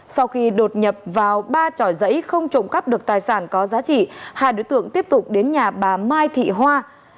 sau khi đột nhập vào ba tròi giấy không trộm cắp được tài sản có giá trị hai đối tượng tiếp tục đến nhà bà mai thị hoa